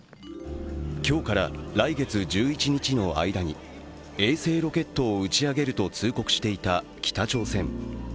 今日から来月１１日の間に衛星ロケットを打ち上げると通告していた北朝鮮。